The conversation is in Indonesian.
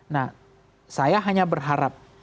nah saya hanya berharap